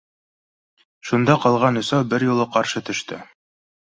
Шунда ҡалған өсәү бер юлы ҡаршы төштө: